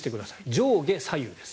上下左右です。